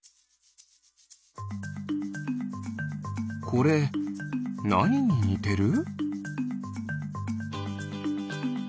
これなにににてる？